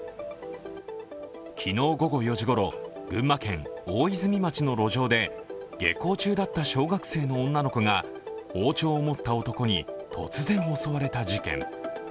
昨日午後４時ごろ、群馬県大泉町の路上で、下校中だった小学生の女の子が包丁を持った男に突然襲われた事件。